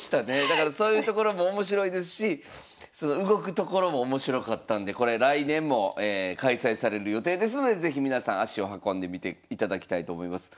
だからそういうところも面白いですしその動くところも面白かったんでこれ来年も開催される予定ですので是非皆さん足を運んでみていただきたいと思います。